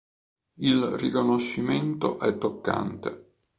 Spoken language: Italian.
Il riconoscimento è toccante.